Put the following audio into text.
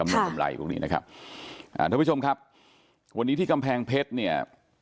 ทุกผู้ชมครับวันนี้ที่กำแพงเพชร